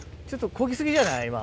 ちょっとこぎ過ぎじゃない？